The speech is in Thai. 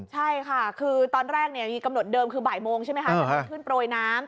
ใช่ค่ะคือตอนแรกมีกำหนดเดิมคือบ่ายโมงใช่ไหมคะจะเกิดขึ้นโปรยน้ำ